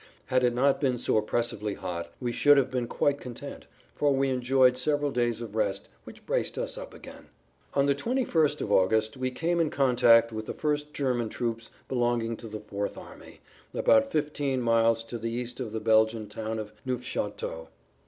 Had it not been so oppressively hot we should have been quite content, for we enjoyed several days of rest which braced us up again. On the 21st of August we came in contact with the first German troops belonging to the Fourth Army, about 15 miles to the east of the Belgian town of Neufchateau.